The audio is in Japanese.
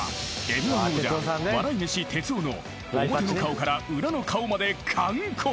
［Ｍ−１王者笑い飯哲夫の表の顔から裏の顔まで完コピ］